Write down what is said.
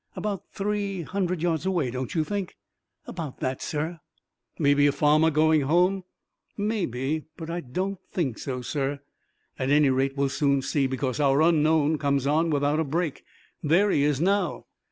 "About three hundred yards away, don't you think?" "About that, sir." "Maybe a farmer going home?" "Maybe, but I don't think so, sir." "At any rate, we'll soon see, because our unknown comes on without a break. There he is now!"